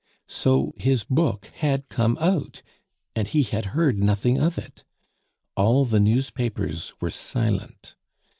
So his book had come out, and he had heard nothing of it! All the newspapers were silent.